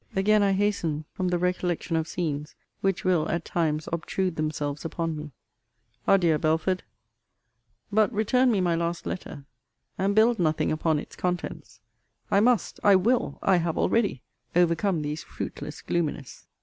Again I hasten from the recollection of scenes, which will, at times, obtrude themselves upon me. Adieu, Belford! But return me my last letter and build nothing upon its contents. I must, I will, I have already, overcome these fruitless gloominess.